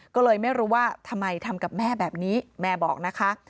ก็เลยไม่รู้ว่าทำไมทำกับแม่แบบนี้แม่บอกนะคะ